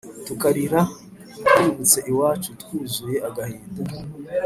tukarira twibutse iwacu twuzuye agahinda